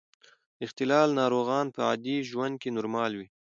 د اختلال ناروغان په عادي ژوند کې نورمال وي.